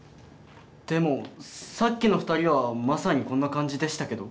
でもさっきの２人はまさにこんな感じでしたけど。